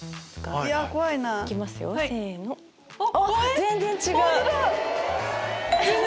全然違うね。